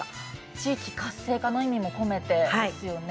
地域活性化の意味も込めてですよね。